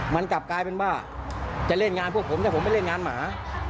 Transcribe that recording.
มันกลับกลายเป็นว่าจะเล่นงานพวกผมแต่ผมไปเล่นงานหมา